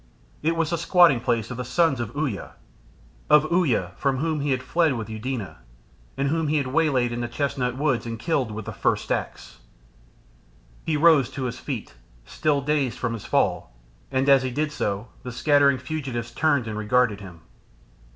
It was the squatting place of the Sons of Uya, of Uya from whom he had fled with Eudena, and whom he had waylaid in the chestnut woods and killed with the First Axe. He rose to his feet, still dazed from his fall, and as he did so the scattering fugitives turned and regarded him.